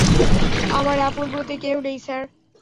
আমার আপন বলতে কেউ নেই, স্যার।